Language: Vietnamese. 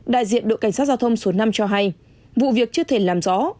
đại diện đội cảnh sát giao thông số năm cho hay vụ việc chưa thể làm rõ